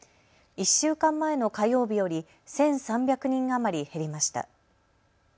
１週間前の火曜日より１３００人余り減りました。